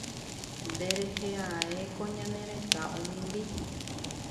Nderehe ae ko ñane retã omimbi.